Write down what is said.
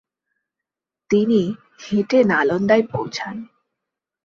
তিনি হেঁটে নালন্দায় পৌঁছান।